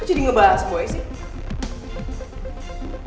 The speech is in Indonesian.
kok jadi ngebahas boy sih